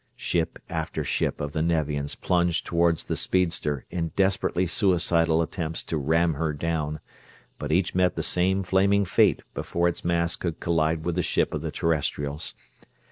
Ship after ship of the Nevians plunged toward the speedster in desperately suicidal attempts to ram her down, but each met the same flaming fate before its mass could collide with the ship of the Terrestrials.